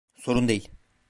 Sorun değil.